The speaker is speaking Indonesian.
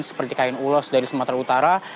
seperti kain ulos dari sumatera utara